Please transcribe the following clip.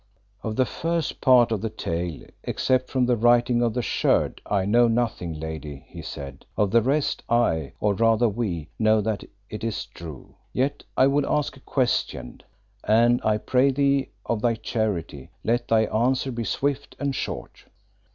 "Of the first part of the tale, except from the writing on the Sherd, I know nothing, Lady," he said; "of the rest I, or rather we, know that it is true. Yet I would ask a question, and I pray thee of thy charity let thy answer be swift and short.